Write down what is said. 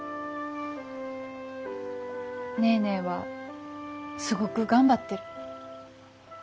ネーネーはすごく頑張ってる。